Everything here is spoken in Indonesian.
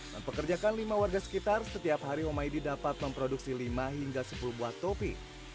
mempekerjakan lima warga sekitar setiap hari homaidi dapat memproduksi lima hingga sepuluh buah topi